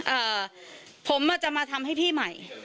เอ่อผมอ่ะจะมาทำให้พี่ใหม่